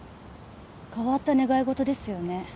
変わった願い事ですよね。